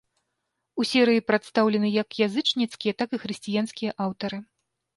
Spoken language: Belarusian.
У серыі прадстаўлены як язычніцкія, так і хрысціянскія аўтары.